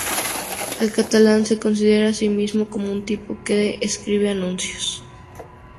El catalán se considera a sí mismo como un tipo que escribe anuncios.